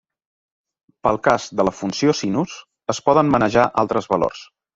Pel cas de la funció sinus, es poden manejar altres valors.